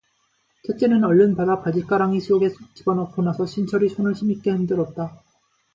첫째는 얼른 받아 바짓가랑이 속에 쑥 집어넣고 나서 신철의 손을 힘있게 흔들었다.